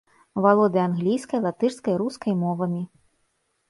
Валодае англійскай, латышскай, рускай мовамі.